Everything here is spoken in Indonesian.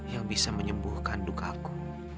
yang bisa menyembuhkan dukaku